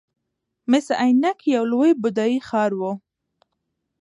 مس عینک یو لوی بودايي ښار و